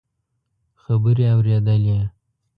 خبرې اورېدلې.